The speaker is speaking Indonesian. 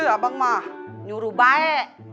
abang mah nyuruh baik